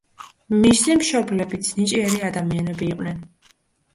მისი მშობლებიც ნიჭიერი ადამიანები იყვნენ.